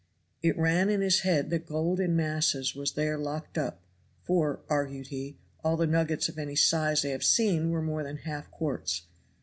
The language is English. It ran in his head that gold in masses was there locked up, for, argued he, all the nuggets of any size I have seen were more than half quartz.